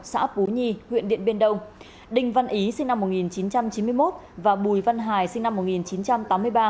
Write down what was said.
xã pú nhi huyện điện biên đông đình văn ý sinh năm một nghìn chín trăm chín mươi một và bùi văn hải sinh năm một nghìn chín trăm tám mươi ba